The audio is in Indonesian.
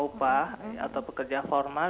upah atau pekerja formal